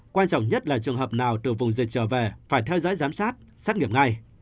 quan trọng nhất là trường hợp nào từ vùng dịch trở về phải theo dõi giám sát xét nghiệm ngay